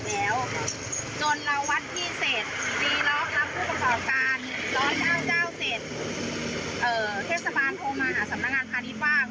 เทศบาลโฟมางานสำนักงานพาดีฟ้า